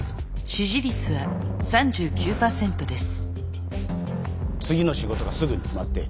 支持率は３５％です。